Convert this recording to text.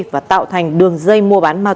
và tạo thành đường dây mua bán ma túy